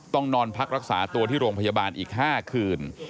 ต้องนอนพักรักษาตัวที่โรงพยาบาลอีก๕คืน